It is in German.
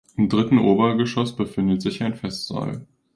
Im dritten Obergeschoss befindet sich ein Festsaal.